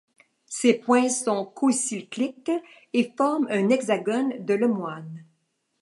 Ces points sont cocycliques et forme un hexagone de Lemoine.